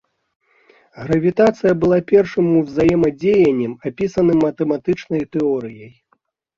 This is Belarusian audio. Гравітацыя была першым узаемадзеяннем, апісаным матэматычнай тэорыяй.